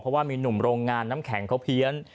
เพราะว่ามีหนุ่มโรงงานน้ำแข็งเขาเพี้ยน